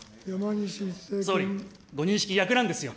総理、ご認識逆なんですよ。